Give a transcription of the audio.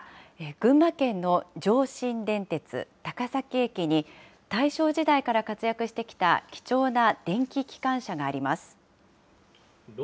群馬県の上信電鉄高崎駅に、大正時代から活躍してきた貴重な電気機関車があります。